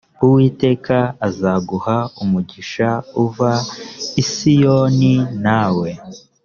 uwiteka azaguha umugisha uva i siyoni nawe